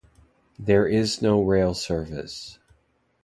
There is no rail service.